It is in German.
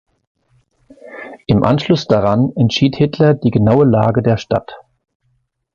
Im Anschluss daran entschied Hitler die genaue Lage der Stadt.